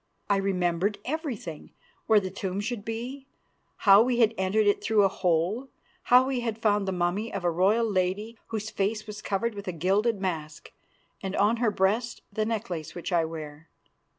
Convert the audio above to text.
I remembered everything: where the tomb should be, how we had entered it through a hole, how we had found the mummy of a royal lady, whose face was covered with a gilded mask, and on her breast the necklace which I wear.